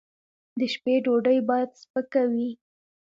د شپې ډوډۍ باید سپکه وي